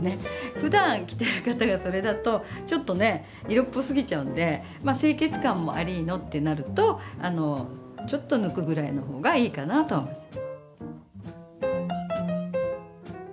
ふだん着てる方がそれだとちょっとね色っぽすぎちゃうんでまあ清潔感もありのってなるとちょっと抜くぐらいのほうがいいかなとは思います。